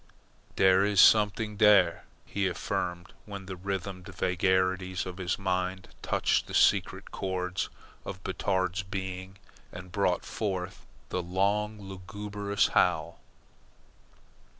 "Dere is somet'ing dere," he affirmed, when the rhythmed vagaries of his mind touched the secret chords of Batard's being and brought forth the long lugubrious howl.